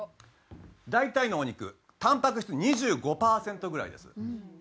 大体のお肉たんぱく質２５パーセントぐらいです。